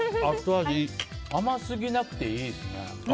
甘すぎなくていいですね。